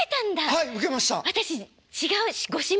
はい。